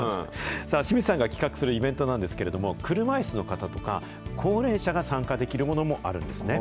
さあ、志水さんが企画するイベントなんですけれども、車いすの方とか、高齢者が参加できるものもあるんですね。